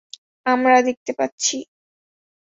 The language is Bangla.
আমরা দেখতে পাচ্ছি।